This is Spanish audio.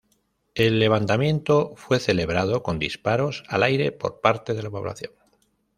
El levantamiento fue celebrado con disparos al aire por parte de la población.